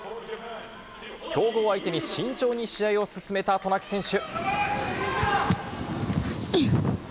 強豪相手に慎重に試合を進めた渡名喜選手。